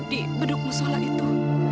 di penduk musola itu